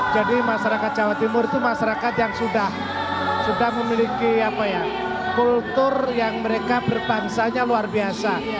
jadi masyarakat jawa timur itu masyarakat yang sudah memiliki kultur yang mereka berbansanya luar biasa